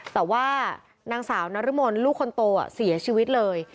แต่ว่านางสาวนรมนลูกคนโตเสียชีวิตเลย